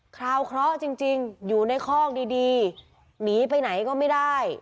คราวเคราะห์จริงอยู่ในคอกดีหนีไปไหนก็ไม่ได้